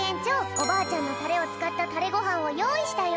おばあちゃんのタレをつかったタレごはんをよういしたよ。